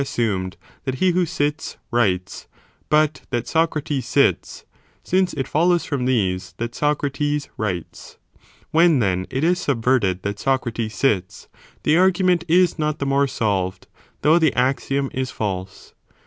assumed that he who sits writes, but that Socrates sits, since it follows from these that Socrates writes, when then, it is subverted that Socrates sits, theargument is not the more solved, though the axiom is false.